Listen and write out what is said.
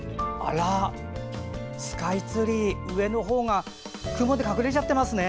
スカイツリー上のほうが雲で隠れちゃってますね。